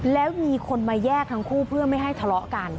แล้วมีคนมาแยกทั้งคู่เพื่อไม่ให้ทะเลาะกัน